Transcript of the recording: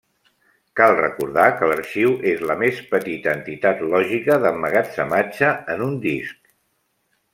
Cal recordar que l'arxiu és la més petita entitat lògica d'emmagatzematge en un disc.